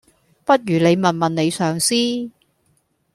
不如你問問你上司?